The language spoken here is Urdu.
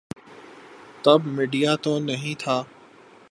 تب میڈیا تو نہیں تھا۔